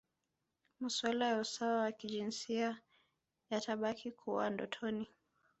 Masuala ya usawa wa kijinsia yatabaki kuwa ndotoni